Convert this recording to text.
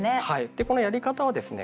でこのやり方はですね